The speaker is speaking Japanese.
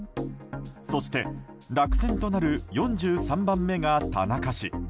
そして落選となる４３番目が田中氏。